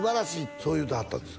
そう言うてはったんです「